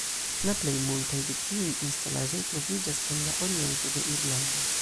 La plej multaj de tiuj instalaĵoj troviĝas en la oriento de Irlando.